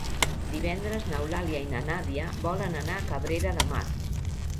Divendres n'Eulàlia i na Nàdia volen anar a Cabrera de Mar.